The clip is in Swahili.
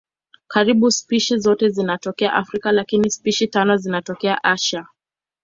Karibu spishi zote zinatokea Afrika lakini spishi tano zinatokea Asia.